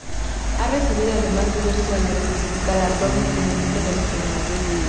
Ha recibido, además, diversos galardones en el mundo de las letras.